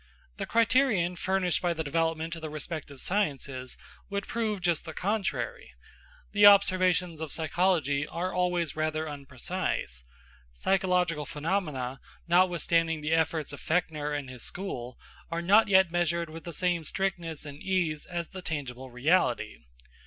The criterion furnished by the development of the respective sciences would prove just the contrary. The observations of psychology are always rather unprecise. Psychological phenomena, notwithstanding the efforts of Fechner and his school, are not yet measured with the same strictness and ease as the tangible reality.